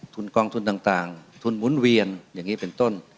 กองทุนต่างทุนหมุนเวียนอย่างนี้เป็นต้น